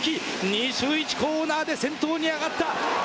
２周１コーナーで先頭に上がっていった。